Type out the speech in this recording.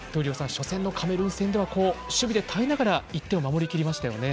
初戦のカメルーン戦では守備で耐えながら１点を守りきりましたよね。